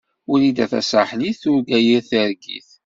Wrida Tasaḥlit turga yir targit.